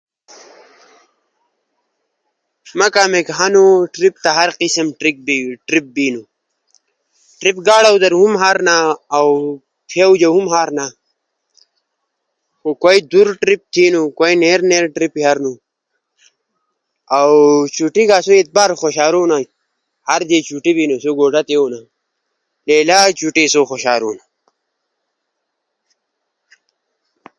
ما کامیک ہنو ہر قسم ٹریپ بینو۔ ٹریپ گاڑو در ہم ہارنا اؤ تھیو جا ہم ہارنا خو کوئی دھور در ٹریپ تھینو کوئی نھیر نھیر ٹریپی ہارنو۔ اؤ چُٹی جا آسو اتوار خوشارینا، ہر دیس چٹی بینو آسو گوٹا تی بھیولا۔ لیلا چٹی آسو خوشارونا۔